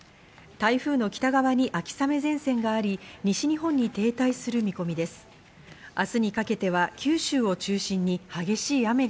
台風の北側に秋雨前線があり、西日本に停滞する見込みです。